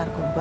aku pergi ya